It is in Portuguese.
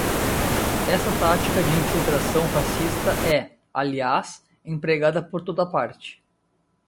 Essa tática de infiltração fascista é, aliás, empregada por toda parte